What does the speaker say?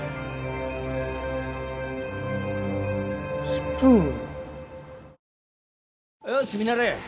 スプーン？